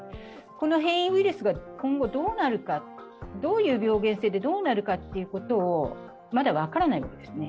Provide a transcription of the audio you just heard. この変異ウイルスが今後どうなるか、どういう病原性でどうなるかまだ分からないんですね。